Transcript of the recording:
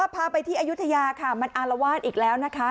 พาไปที่อายุทยาค่ะมันอารวาสอีกแล้วนะคะ